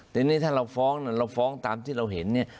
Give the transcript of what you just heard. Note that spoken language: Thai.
ทีนี้ถ้าเราฟ้องเราฟ้องตามที่เราเห็นเนี่ย